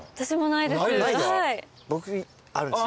僕あるんですよ。